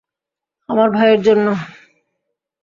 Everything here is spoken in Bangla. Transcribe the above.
আমার ভাইয়ের জন্য!